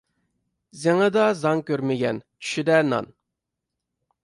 زېڭىدا زاڭ كۆرمىگەن، چۈشىدە نان.